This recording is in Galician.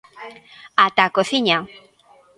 Ata a cociña!